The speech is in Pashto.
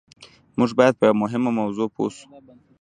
موږ بايد په يوه مهمه موضوع پوه شو.